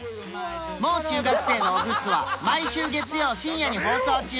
『もう中学生のおグッズ！』は毎週月曜深夜に放送中